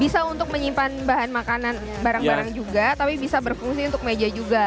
bisa untuk menyimpan bahan makanan barang barang juga tapi bisa berfungsi untuk meja juga